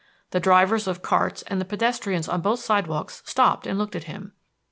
The drivers of carts and the pedestrians on both sidewalks stopped and looked at him.